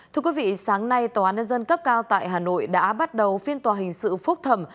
thưa quý vị sáng nay tòa án nhân dân cấp cao tại hà nội đã bắt đầu phiên tòa hình sự phúc thẩm